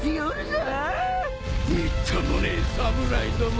みっともねえ侍ども！